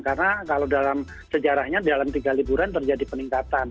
karena kalau dalam sejarahnya dalam tiga liburan terjadi peningkatan